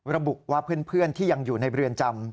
ระบุว่าเพื่อนที่ยังอยู่ในเรือนจำ